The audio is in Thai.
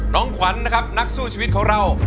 ขวัญนะครับนักสู้ชีวิตของเรา